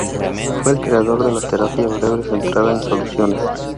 Fue el creador de la terapia breve centrada en soluciones.